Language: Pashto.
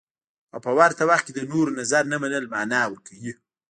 او په ورته وخت کې د نورو نظر نه منل مانا ورکوي.